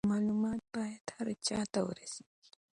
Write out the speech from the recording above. معلومات باید هر چا ته ورسیږي.